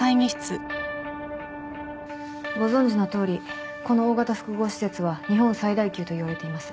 ご存じのとおりこの大型複合施設は日本最大級といわれています。